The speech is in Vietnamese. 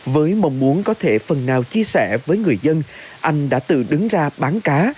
với mong muốn có thể phần nào chia sẻ với người dân anh đã tự đứng ra bán cá